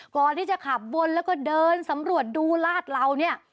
ก่อนที่จะขับวนแล้วก็เดินสำรวจดูลาดเหลาเนี่ย